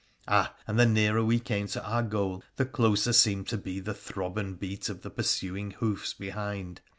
Ah ! and the nearer we came to our goal the closer seemed to be the throb and beat of the pursuing hoofs behind.